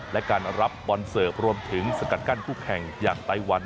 และการรับบอลเสิร์ฟรวมถึงสกัดกั้นผู้แข่งอย่างไตวัน